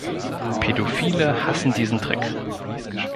Pädophile hassen diesen Trick.